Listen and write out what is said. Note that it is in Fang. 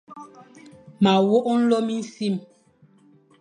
Ma wok nlô minsim.